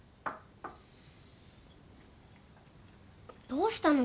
どうしたの？